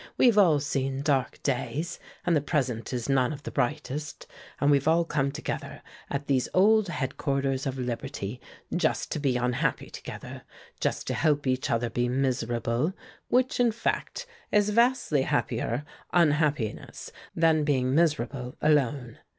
We've all seen dark days, and the present is none of the brightest; and we've all come together at these old headquarters of liberty just to be unhappy together, just to help each other be miserable, which, in fact, is vastly happier unhappiness than being miserable alone.